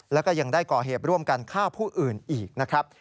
แล้วก็ยังได้ก่อเหตุร่วมกันฆ่าผู้อื่นอีกนะครับ